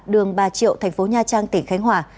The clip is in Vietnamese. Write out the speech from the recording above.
đường ba triệu thành phố nha trang tỉnh khánh hòa